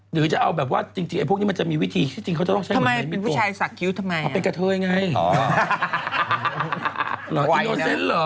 หรือจะเอาแบบว่าจริงไอ้พวกนี้มันจะมีวิธีที่จริงเขาจะต้องใช้เหมือนไหน